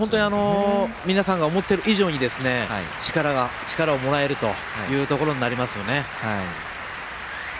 皆さんが思っている以上に力をもらえるということになりますね。